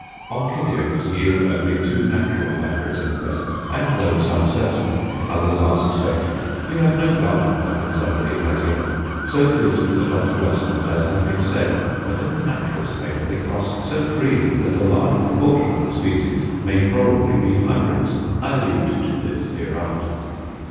Oncidiums yield only two natural hybrids at present, and those uncertain; others are suspected. We have no garden hybrids, I believe, as yet. So it is with Odontoglossums, as has been said, but in the natural state they cross so freely that a large proportion of the species may probably be hybrids. I allude to this hereafter.